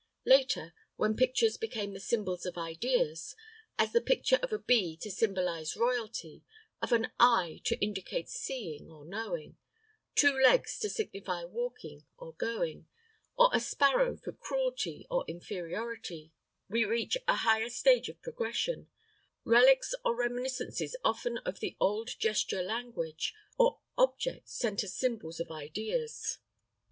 Later, when pictures became the symbols of ideas, as the picture of a bee to symbolize royalty, of an eye to indicate seeing or knowing, two legs to signify walking or going, or a sparrow for cruelty or inferiority, we reach a higher stage of progression—relics or reminiscences often of the old gesture language, or objects sent as symbols of ideas.